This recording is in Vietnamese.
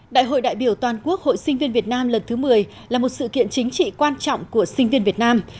đại hội đại biểu toàn quốc hội sinh viên việt nam lần thứ một mươi là một sự kiện chính trị quan trọng của sinh viên việt nam